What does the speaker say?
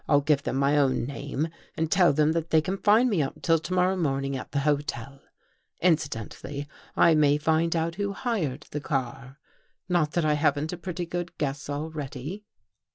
I'll give them my own name and tell them that they can find me up till to morrow morning at the hotel. Incidentally, I may find out who hired the car. Not that I haven't a pretty good guess already."